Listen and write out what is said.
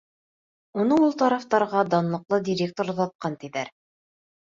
Уны ул тарафтарға данлыҡлы директор оҙатҡан, тиҙәр.